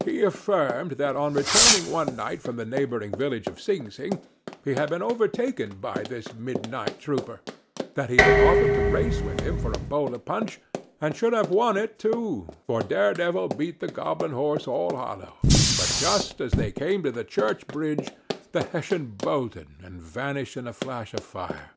He affirmed that on returning one night from the neighboring village of Sing Sing, he had been overtaken by this midnight trooper; that he had offered to race with him for a bowl of punch, and should have won it too, for Daredevil beat the goblin horse all hollow, but just as they came to the church bridge, the Hessian bolted, and vanished in a flash of fire.